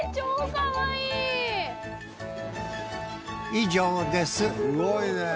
以上です